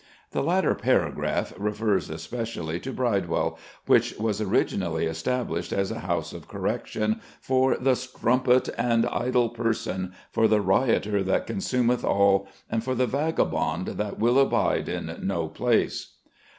The latter paragraph refers especially to Bridewell, which was originally established as a house of correction "for the strumpet and idle person, for the rioter that consumeth all, and for the vagabond that will abide in no place."